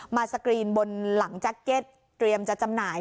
สกรีนบนหลังแจ็คเก็ตเตรียมจะจำหน่าย